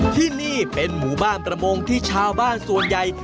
ที่นี่เป็นหมู่บ้านประมงที่ชาวบ้านส่วนใหญ่